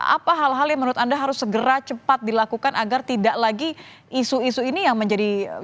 apa hal hal yang menurut anda harus segera cepat dilakukan agar tidak lagi isu isu ini yang menjadi